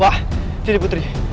wah sini putri